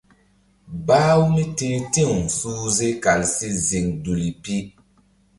Bah-u mí ti̧h ti̧w suhze kal si ziŋ duli pi.